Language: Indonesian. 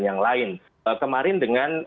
yang lain kemarin dengan